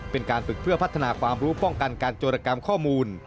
เป็นการฝึกเพื่อพัฒนาความรู้ป้องกันการโจรกรรมข้อมูล